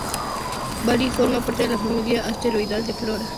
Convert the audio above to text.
Bali forma parte de la familia asteroidal de Flora.